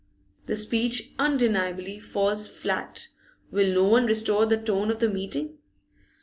The speech undeniably falls fiat. Will no one restore the tone of the meeting?